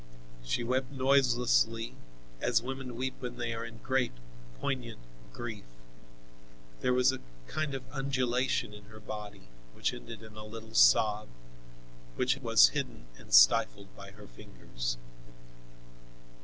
She wept noiselessly, as women weep when they are in great, poignant grief. There was a kind of undulation in her body, which ended in a little sob, which was hidden and stifled by her fingers.